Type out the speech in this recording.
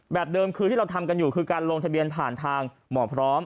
แบบเดิมคือที่เราทำกันอยู่คือการลงทะเบียนผ่านทางหมอพร้อม